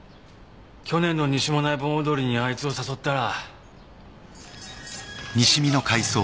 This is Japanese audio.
去年の西馬音内盆踊りにあいつを誘ったら。